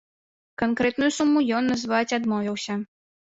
Канкрэтную суму ён назваць адмовіўся.